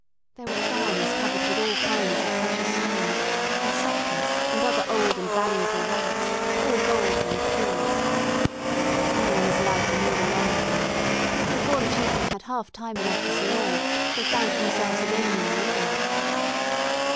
There were crowns covered with all kinds of precious stones, and sceptres, and other old and valuable relics, all gold and jewels. But no one is allowed to linger long in here, and before the children had half time enough to see all, they found themselves again in the yard.